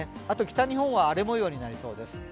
あと北日本は荒れ模様になりそうです。